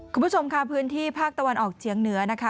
คุณผู้ชมค่ะพื้นที่ภาคตะวันออกเฉียงเหนือนะคะ